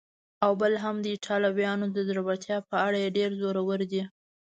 او بل هم د ایټالویانو د زړورتیا په اړه چې ډېر زړور دي.